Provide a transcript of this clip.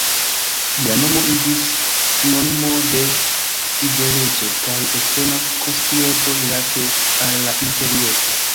Lia nomo iĝis sinonimo de fideleco kaj ekstrema konscienco rilate al la imperiestro.